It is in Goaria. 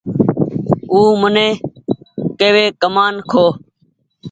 او مني ڪيوي ڪمآن کو